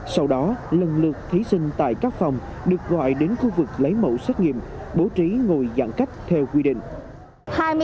sau đó lần lượt thí sinh tại các phòng được gọi đến khu vực lấy mẫu xét nghiệm bố trí ngồi giãn cách theo quy định